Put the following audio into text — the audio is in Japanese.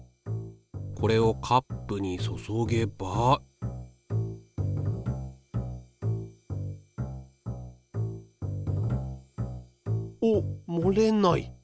これをカップに注げばおっもれない！